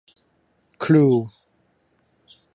คูล